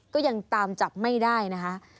ก็ยังตามจับไม่ได้นะคะ